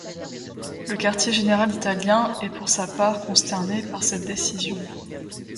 Le quartier général italien est pour sa part consterné par cette décision.